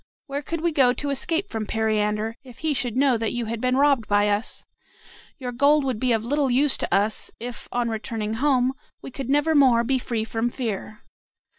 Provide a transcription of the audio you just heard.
Where could we go to escape from Periander, if he should know that you had been robbed by us? Your gold would be of little use to us, if on returning home, we could never more be free from fear."